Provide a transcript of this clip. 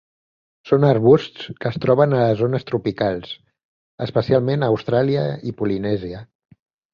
Són arbusts que es troben a les zones tropicals, especialment a Austràlia i Polinèsia.